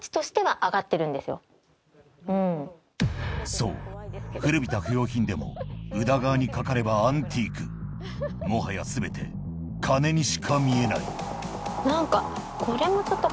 そう古びた不用品でも宇田川にかかればアンティークもはや全て金にしか見えない何か。